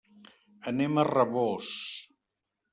Anem a Rabós.